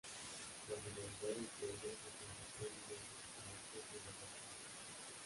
La rivalidad entre ellos desembocó en diversos conatos de guerra civil.